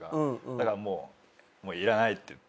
だからもういらないっていって。